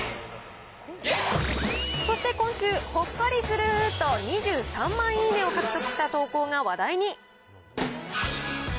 そして今週、ほっこりすると、２３万いいねを獲得した投稿が話題に。